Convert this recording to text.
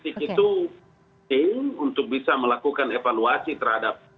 titik itu penting untuk bisa melakukan evaluasi terhadap